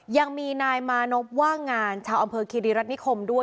ยังมีนายมานพว่างงานชาวอำเภอคิริรัตนิคมด้วย